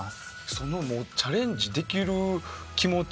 そのチャレンジできる気持ち。